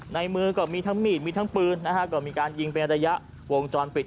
ในมือก็มีทั้งมีดมีทั้งปืนนะฮะก็มีการยิงเป็นระยะวงจรปิด